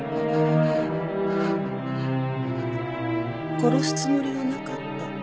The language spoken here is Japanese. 殺すつもりはなかった。